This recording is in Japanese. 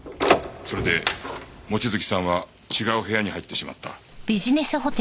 それで望月さんは違う部屋に入ってしまった。